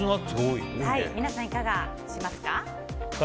皆さん、いかがしますか？